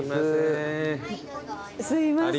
すいません。